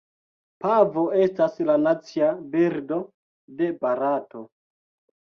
Pavo estas la nacia birdo de Barato.